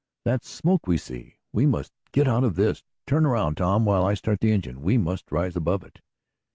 That's smoke we see! We must get out of this. Turn around Tom, while I start the engine. We must rise above it!"